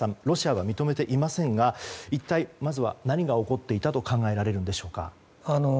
ロシアは認めていませんが一体、まず何が起こっていたと考えられるでしょうか。